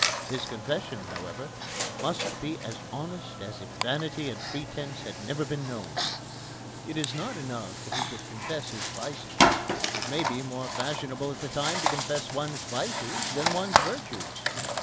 His confession, however, must be as honest as if vanity and pretence had never been known. It is not enough that he should confess his vices. It may be more fashionable at the time to confess one's vices than one's virtues.